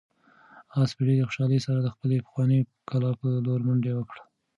آس په ډېرې خوشحالۍ سره د خپلې پخوانۍ کلا په لور منډه کړه.